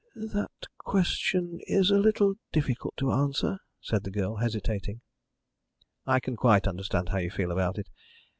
"That question is a little difficult to answer," said the girl, hesitating. "I can quite understand how you feel about it.